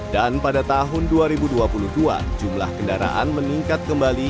dan pada tahun dua ribu dua puluh dua jumlah kendaraan meningkat kembali